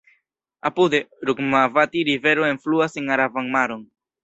Apude, Rukmavati-Rivero enfluas en Araban Maron.